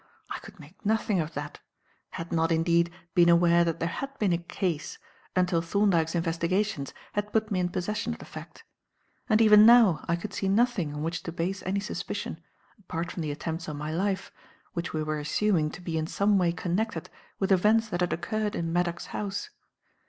I could make nothing of that, had not, indeed, been aware that there had been a "case", until Thorndyke's investigations had put me in possession of the fact. And even now I could see nothing on which to base any suspicion, apart from the attempts on my life, which we were assuming to be in some way connected with events that had occurred in Maddock's house.